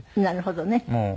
なるほどね。